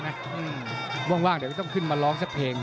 ว่างเดี๋ยวก็ต้องขึ้นมาร้องสักเพลง